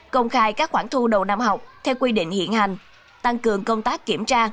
công khai các khoản thu đầu năm học theo quy định hiện hành tăng cường công tác kiểm tra